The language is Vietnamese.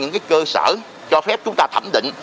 những cái cơ sở cho phép chúng ta thẩm định